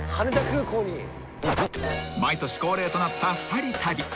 ［毎年恒例となった『２人旅』］